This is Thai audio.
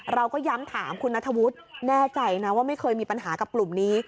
เราก็ย้ำถามคุณนัทธวุฒิแน่ใจนะว่าไม่เคยมีปัญหากับกลุ่มนี้